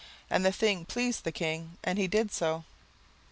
And the thing pleased the king; and he did so.